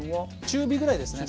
中火ぐらいですね。